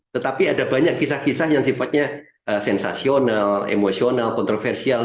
tetapi ada banyak kisah kisah yang sifatnya sensasional emosional kontroversial